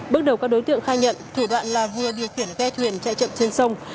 bước đầu các đối tượng khai nhận thủ đoạn là hua điều khiển ghe thuyền chạy chậm trên sông